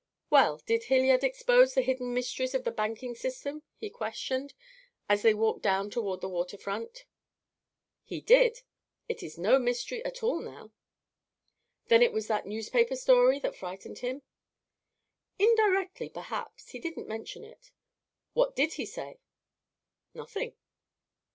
"Well, did Hilliard expose the hidden mysteries of the banking system?" he questioned, as they walked down toward the water front. "He did. It is no mystery at all now." "Then it was that newspaper story that frightened him." "Indirectly, perhaps. He didn't mention it." "What did he say?" "Nothing."